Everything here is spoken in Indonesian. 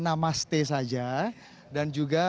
namaste saja dan juga